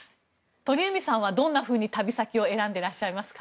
鳥海さんはどんなふうに旅先を選んでいますか？